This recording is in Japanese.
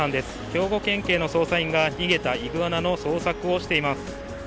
兵庫県警の捜査員が逃げたイグアナの捜索をしています。